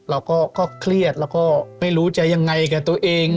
เราก็เครียดแล้วก็ไม่รู้จะยังไงกับตัวเอง